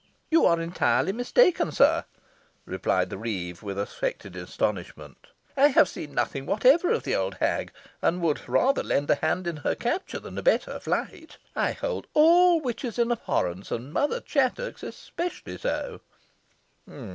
"You are entirely mistaken, sir," replied the reeve, with affected astonishment. "I have seen nothing whatever of the old hag, and would rather lend a hand to her capture than abet her flight. I hold all witches in abhorrence, and Mother Chattox especially so."